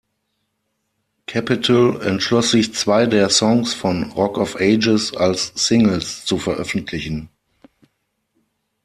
Capitol entschloss sich zwei der Songs von "Rock of Ages" als Singles zu veröffentlichen.